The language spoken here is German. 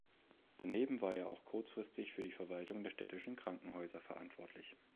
Daneben war er auch kurzfristig für die Verwaltung der städtischen Krankenhäuser verantwortlich.